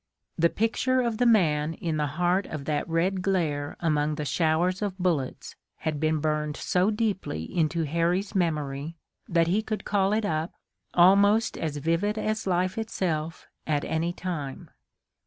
The picture of the man in the heart of that red glare among the showers of bullets had been burned so deeply into Harry's memory that he could call it up, almost as vivid as life itself at any time.